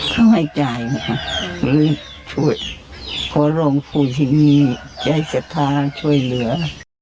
เขาให้จ่ายนะคะหรือช่วยพอลงภูมิที่มีใจสัตว์ช่วยเหลือ